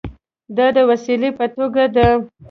دا د وسیلې په توګه ده.